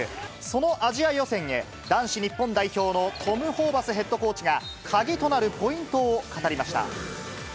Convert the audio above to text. そのアジア予選へ、男子日本代表のトム・ホーバスヘッドコーチが、鍵となるポイントを語りました。